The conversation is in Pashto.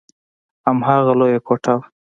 هماغه لويه کوټه وه.